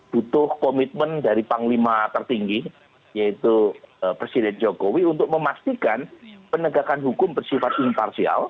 butuh komitmen dari panglima tertinggi yaitu presiden jokowi untuk memastikan penegakan hukum bersifat imparsial